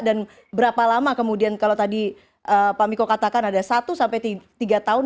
dan berapa lama kemudian kalau tadi pak miko katakan ada satu sampai tiga tahun